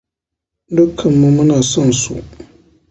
Dukkanmu muna son su.